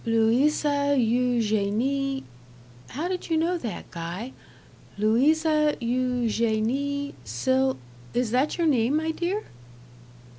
"Louisa Eugenie how did you know that, Guy? Louisa Eugenie Sil is that your name, my dear?"